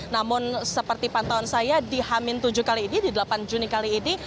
namun seperti pantauan saya di hamin tujuh kali ini di delapan juni kali ini